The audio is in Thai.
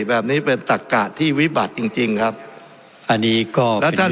แบบนี้เป็นตักกะที่วิบัติจริงจริงครับอันนี้ก็แล้วท่าน